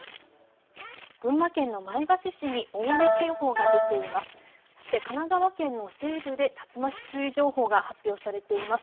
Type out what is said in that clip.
群馬県の前橋市に大雨警報が出ています。